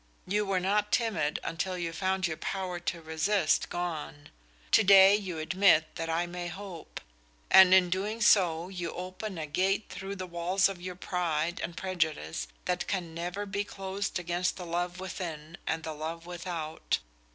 You were not timid until you found your power to resist gone. Today you admit that I may hope, and in doing so you open a gate through the walls of your pride and prejudice that can never be closed against the love within and the love without.